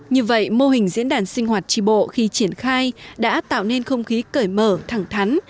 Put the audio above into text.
như vậy mô hình diễn đàn sinh hoạt tri bộ khi triển khai đã tạo nên không khí cởi mở thẳng thắn